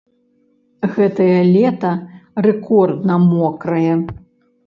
Гэтае лета рэкордна мокрае.